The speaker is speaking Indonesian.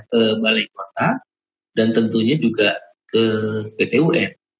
ke balai kota dan tentunya juga ke pt un